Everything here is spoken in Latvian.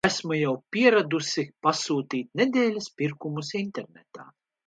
Esmu jau pieradusi pasūtīt nedēļas pirkumus internetā.